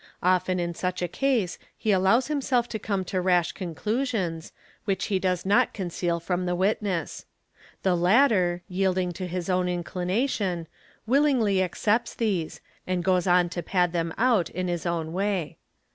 Often in such a case he allows himself to come to rash conclu — sions, which he does not conceal from the witness. The latter, yielding to his own inclination, willingty accepts these, and goes on to pad them out in his own way.